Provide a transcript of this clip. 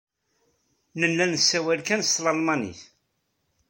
Nella nessawal kan s talmanit.